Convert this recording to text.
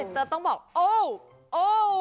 แต่ต้องบอกโอ้วโอ้ว